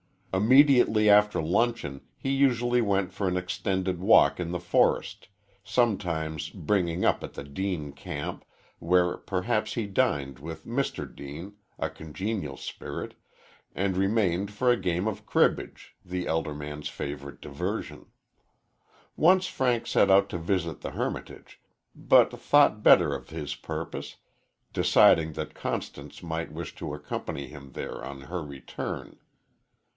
Immediately after luncheon he usually went for an extended walk in the forest, sometimes bringing up at the Deane camp, where perhaps he dined with Mr. Deane, a congenial spirit, and remained for a game of cribbage, the elder man's favorite diversion. Once Frank set out to visit the hermitage, but thought better of his purpose, deciding that Constance might wish to accompany him there on her return.